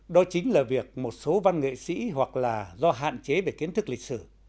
đó chính là việc một số văn nghệ sĩ hoặc là do hạn chế về kiến thức lịch sử